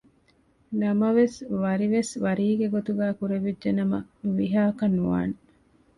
ނަމަވެސް ވަރިވެސް ވަރީގެ ގޮތުގައި ކުރެވިއްޖެ ނަމަ ވިހައަކަށް ނުވާނެ